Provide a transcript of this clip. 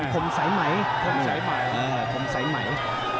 ขมสายไหม